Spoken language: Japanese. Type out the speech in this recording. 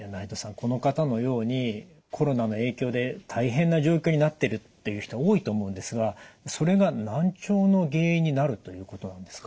この方のようにコロナの影響で大変な状況になってるっていう人多いと思うんですがそれが難聴の原因になるということなんですか。